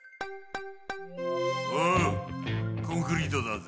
おうコンクリートだぜ。